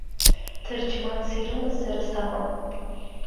Ҭырџьманс ирымаз сара сакәын.